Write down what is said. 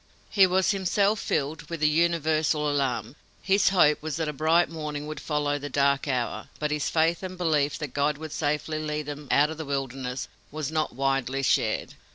He was himself filled with the universal alarm. His hope was that a bright morning would follow the dark hour, but his faith and belief that God would safely lead them "out of the wilderness" was not widely shared.